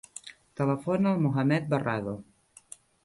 Telefona al Mohamed Barrado.